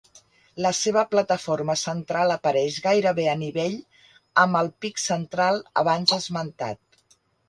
La seva plataforma central apareix gairebé a nivell amb el pic central abans esmentat.